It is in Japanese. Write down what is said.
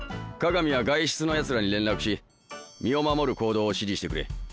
利見は外出のやつらに連絡し身を守る行動を指示してくれ。